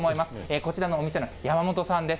こちらのお店の山本さんです。